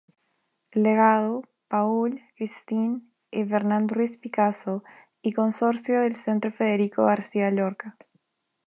Legado Paul, Christine y Bernard Ruiz-Picasso y Consorcio del Centro Federico García Lorca.